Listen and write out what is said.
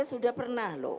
saya sudah pernah loh